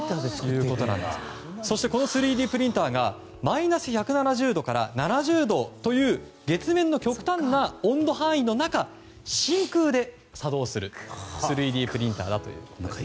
そして、この３Ｄプリンターがマイナス１７０度から７０度という月面の極端な温度範囲の中真空で作動する３Ｄプリンターだということです。